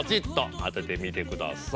あててみてください。